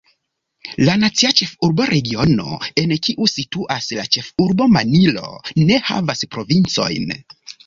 La Nacia Ĉefurba Regiono, en kiu situas la ĉefurbo Manilo, ne havas provincojn.